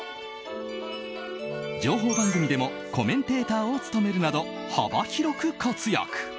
情報番組でもコメンテーターを務めるなど幅広く活躍。